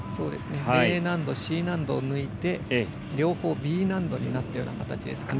Ｄ難度、Ｃ難度を抜いて両方Ｂ難度になったような形ですかね。